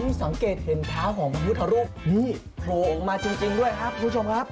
สังเกตเห็นเท้าของพระพุทธรูปนี่โผล่ออกมาจริงด้วยครับคุณผู้ชมครับ